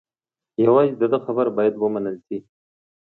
یوازې د ده خبره باید و منل شي.